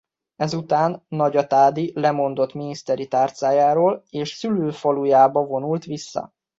Ezután Nagyatádi lemondott miniszteri tárcájáról és szülőfalujába vonult vissza.